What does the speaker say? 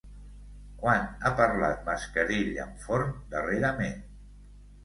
Quan ha parlat Mascarell amb Forn, darrerament?